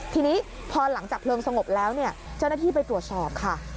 ทีนี้พอหลังจากเพลิงสงบแล้วเนี่ยเจ้าหน้าที่ไปตรวจสอบค่ะ